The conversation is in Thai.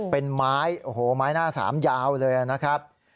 เป็นไม้โอ้โหไม้หน้าสามยาวเลยนะครับ